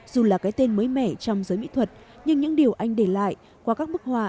dù là cái tên mới mẻ trong giới mỹ thuật nhưng những điều anh để lại qua các bức hòa